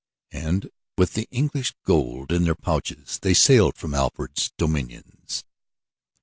And with the English gold in their pouches they sailed from Alfred's dominions.